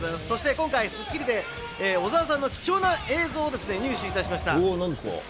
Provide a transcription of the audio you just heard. そして今回『スッキリ』で小澤さんの貴重な映像を入手いたしました。